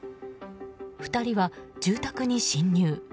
２人は住宅に侵入。